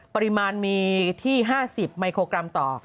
ปริมาณมีที่๕๐มิโครกรัมต่อ